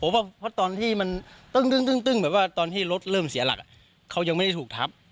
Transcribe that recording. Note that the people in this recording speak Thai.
เพราะตอนที่มันตึ้งแบบว่าตอนที่รถเริ่มเสียหลักเขายังไม่ได้ถูกทับ